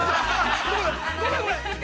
◆ごめん、ごめん。